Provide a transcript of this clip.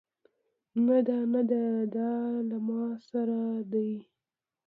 نه دا نده دا له ما سره دی